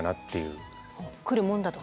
来るもんだと。